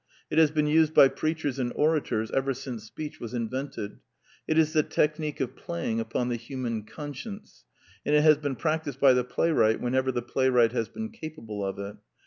It has been used by preachers and orators ever since speech was invented. It is the technique of playing upon the human conscience; and it has been practised by the playwright whenever the playwright has been capable of it.